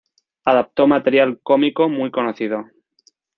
Adaptó material cómico muy conocido.